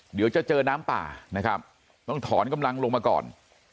เดี๋ยวจะเจอน้ำป่านะครับต้องถอนกำลังลงมาก่อน